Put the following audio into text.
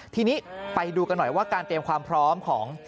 ทีนี้ไปดูกันหน่อยว่าการเตรียมความพร้อมของ